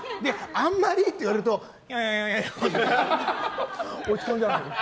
あんまりって言われるとよよよって落ち込んじゃうの。